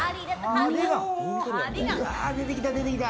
うわ、出てきた出てきた。